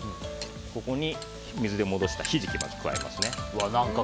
ここに水で戻したヒジキを加えますね。